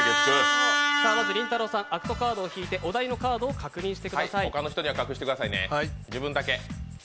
まずりんたろーさん、アクトカードを引いてお題を確認してください。